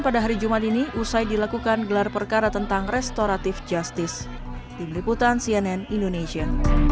pada hari jumat ini usai dilakukan gelar perkara tentang restoratif justice tim liputan cnn indonesia